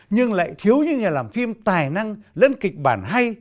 nhưng lại thiếu những nhà làm phim tài năng lẫn kịch bản hay